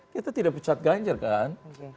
kita tidak pecat ganjar kan